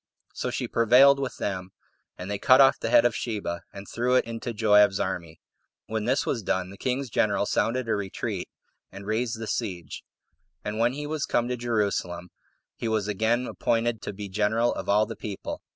So she prevailed with them, and they cut off the head of Sheba, and threw it into Joab's army. When this was done, the king's general sounded a retreat, and raised the siege. And when he was come to Jerusalem, he was again appointed to be general of all the people.